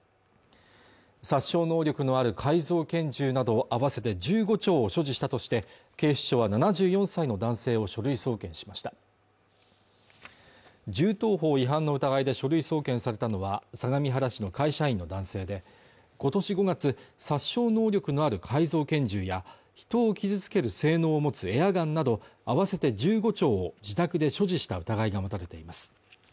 殺傷能力のある改造拳銃など合わせて１５丁を所持したとして警視庁は７４歳の男性を書類送検しました銃刀法違反の疑いで書類送検されたのは相模原市の会社員の男性で今年５月殺傷能力のある改造拳銃や人を傷つける性能を持つエアガンなど合わせて１５丁を自宅で所持した疑いが持たれています